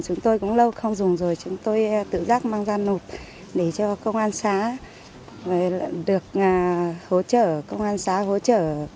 chúng tôi cũng lâu không dùng rồi chúng tôi tự giác mang ra nộp để cho công an xã được hỗ trợ công an xã hỗ trợ